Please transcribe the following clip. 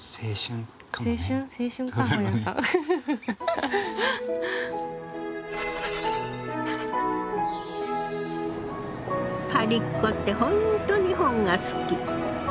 パリっ子って本当に本が好き。